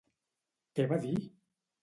Què va dir?